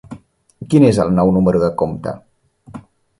Quin és el nou número de compte?